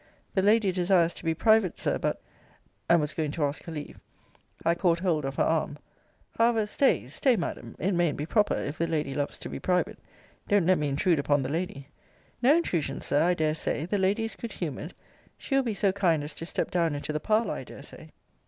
The lady desires to be private, Sir but and was going to ask her leave. I caught hold of her arm However, stay, stay, Madam: it mayn't be proper, if the lady loves to be private. Don't let me intrude upon the lady No intrusion, Sir, I dare say: the lady is good humoured. She will be so kind as to step down into the parlour, I dare say.